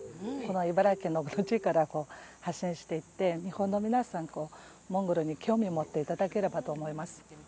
茨城の土地から発信していって日本の皆さん、モンゴルに興味を持っていただければと思います。